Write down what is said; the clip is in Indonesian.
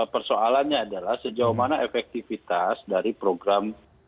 persoalannya adalah sejauh mana efektivitas dari program